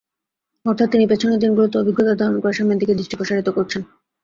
অর্থাৎ তিনি পেছনের দিনগুলোর অভিজ্ঞতা ধারণ করে সামনের দিকে দৃষ্টি প্রসারিত করছেন।